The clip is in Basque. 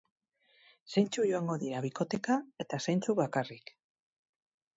Zeintzuk joango dira bikoteka eta zeintzuk bakarrik?